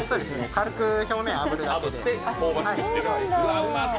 軽く表面をあぶって香ばしくしてます。